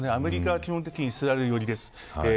アメリカは基本的にイスラエル寄りです。